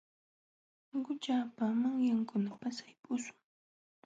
Qućhapa manyankuna pasaypa usum.